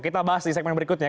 kita bahas di segmen berikutnya